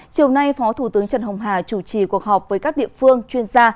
chiều nay phó thủ tướng trần hồng hà chủ trì cuộc họp với các địa phương chuyên gia